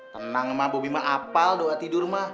tenang emak bobi emak apal doa tidur emak